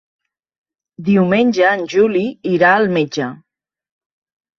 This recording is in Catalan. Diumenge en Juli irà al metge.